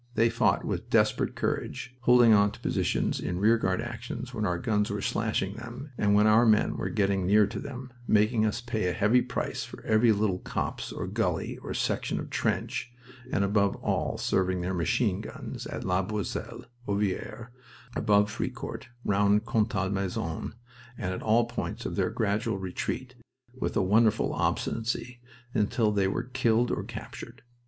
They fought with a desperate courage, holding on to positions in rearguard actions when our guns were slashing them and when our men were getting near to them, making us pay a heavy price for every little copse or gully or section of trench, and above all serving their machine guns at La Boisselle, Ovillers, above Fricourt, round Contalmaison, and at all points of their gradual retreat, with a wonderful obstinacy, until they were killed or captured.